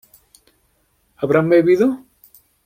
¿habrán bebido?